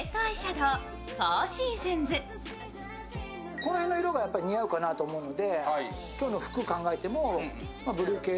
この辺の色が似合うかなと思うので。